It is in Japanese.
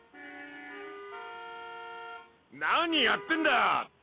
何やってんだっ！